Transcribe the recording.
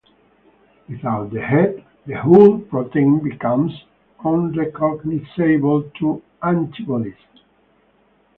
Without the head, the whole protein becomes unrecognizable to antibodies.